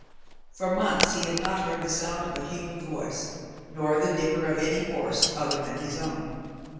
For months he had not heard the sound of a human voice, nor the nicker of any horse other than his own.